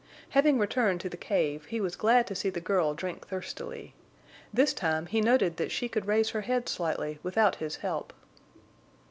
Having returned to the cave, he was glad to see the girl drink thirstily. This time he noted that she could raise her head slightly without his help.